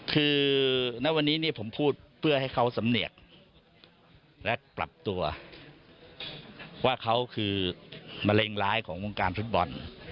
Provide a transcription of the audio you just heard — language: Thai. คือณวันนี้ผมพูดเพื่อให้เขาสำเนียกและปรับตัวว่าเขาคือมะเร็งร้ายของวงการฟุตบอล